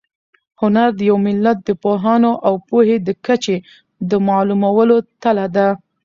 هنر د یو ملت د پوهانو او پوهې د کچې د معلومولو تله ده.